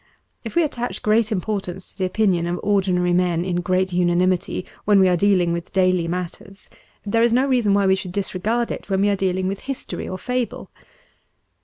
If we attach great importance to the opinion of ordinary men in great unanimity when we are dealing with daily matters, there is no reason why we should disregard it when we are dealing with history or fable.